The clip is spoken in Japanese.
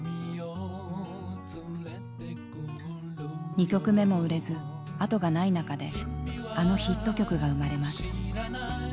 ２曲目も売れずあとがない中であのヒット曲が生まれます。